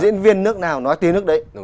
diễn viên nước nào nói tiếng nước đấy